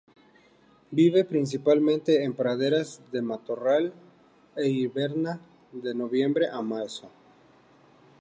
Vive principalmente en praderas de matorral e hiberna de noviembre a marzo.